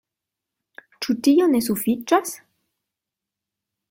Ĉu tio ne sufiĉas?